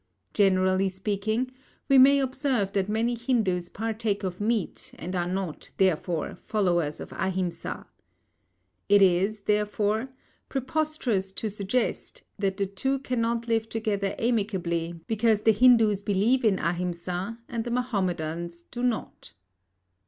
Generally speaking, we may observe that many Hindus partake of meat and are not, therefore, followers of Ahimsa. It is, therefore, preposterous to suggest that the two cannot live together amicably because the Hindus believe in Ahimsa and the Mahomedans do not.